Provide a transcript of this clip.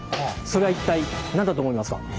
それは一体何だと思いますか？